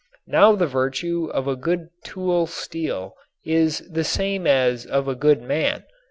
Now the virtue of a good tool steel is the same as of a good man.